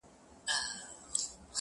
تا ویل د بنده ګانو نګهبان یم.!